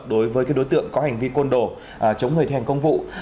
đối với đối tượng có hành vi côn đồ chống người thi hành công vụ